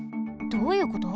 どういうこと？